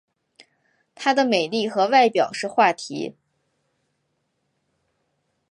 她的美丽和外表是话题。